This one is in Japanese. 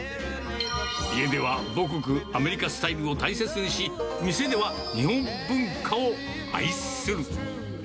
家では母国、アメリカスタイルを大切にし、店では日本文化を愛する。